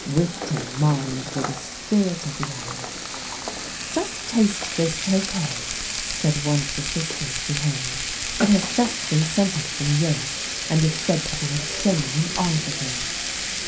Wit and mind were the spirit of the hour. "Just taste this tokay," said one of the sisters to him; "it has just been sent us from Europe, and is said to be a genuine article."